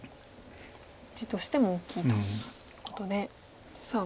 地としても大きいということでさあ